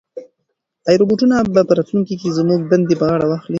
ایا روبوټونه به په راتلونکي کې زموږ دندې په غاړه واخلي؟